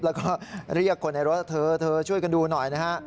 แล้วก็เรียกคนในรถเธอเธอช่วยกันดูหน่อยนะฮะ